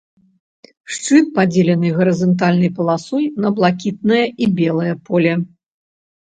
Шчыт падзелены гарызантальнай паласой на блакітнае і белае поле.